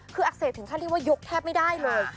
คืออักเสบถึงขั้นที่ว่ายกแทบไม่ได้เลย